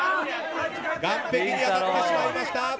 岸壁に当たってしまいました。